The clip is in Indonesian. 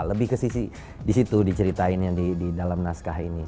lebih ke sisi disitu diceritainnya di dalam naskah ini